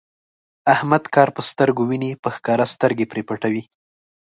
احمد کار په سترګو ویني، په ښکاره سترګې پرې پټوي.